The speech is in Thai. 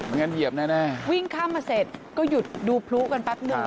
งั้นเหยียบแน่วิ่งข้ามมาเสร็จก็หยุดดูพลุกันแป๊บนึง